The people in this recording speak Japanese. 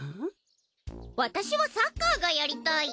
私はサッカーがやりたい！